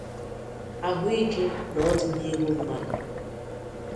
ahụike na ọdịnihu mmadụ